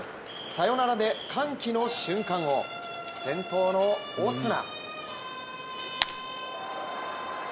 サヨナラで歓喜の瞬間を先頭のオスナ。